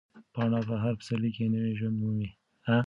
پاڼه په هر پسرلي کې نوی ژوند مومي.